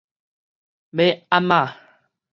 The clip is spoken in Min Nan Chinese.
尾暗矣